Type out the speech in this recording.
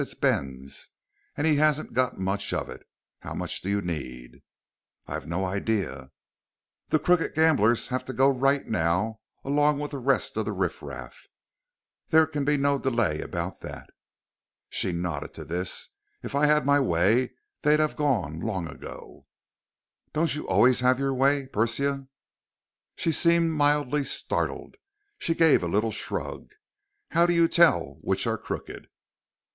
"It's Ben's. And he hasn't got much of it. How much do you need?" "I've no idea." "The crooked gamblers have to go right now along with the rest of the riffraff. There can be no delay about that." She nodded to this. "If I'd had my way, they'd have gone long ago." "Don't you always have your way, Persia?" She seemed mildly startled. She gave a little shrug. "How do you tell which are crooked?"